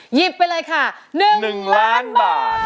หยิบไปเลยค่ะ๑ล้านบาท